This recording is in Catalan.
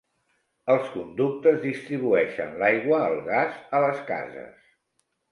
Els conductes distribueixen l'aigua, el gas, a les cases.